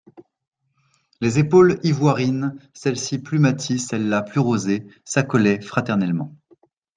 Les épaules ivoirines, celles-ci plus maties, celles-là plus rosées, s'accolaient fraternellement.